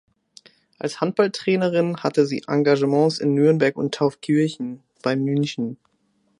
Als Handballtrainerin hatte sie Engagements in Nürnberg und Taufkirchen (bei München).